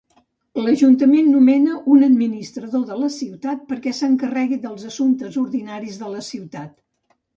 L'ajuntament nomena un administrador de la ciutat perquè s'encarregui dels assumptes ordinaris de la ciutat.